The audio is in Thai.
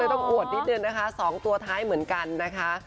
ก็เลยต้องโหดนิดหนึ่งนะคะสองตัวท้ายเหมือนกันนะคะ